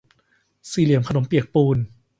สี่เหลี่ยมขนมเปียกปูน